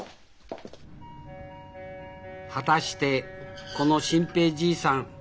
果たしてこの新平じいさん